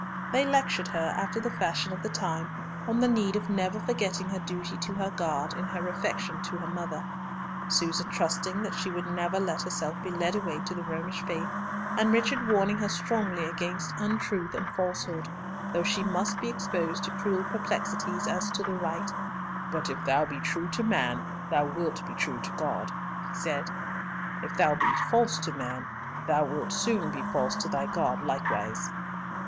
They lectured her, after the fashion of the time, on the need of never forgetting her duty to her God in her affection to her mother, Susan trusting that she would never let herself be led away to the Romish faith, and Richard warning her strongly against untruth and falsehood, though she must be exposed to cruel perplexities as to the right— "But if thou be true to man, thou wilt be true to God," he said. "If thou be false to man, thou wilt soon be false to thy God likewise."